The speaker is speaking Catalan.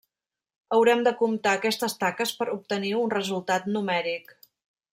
Haurem de comptar aquestes taques per obtenir un resultat numèric.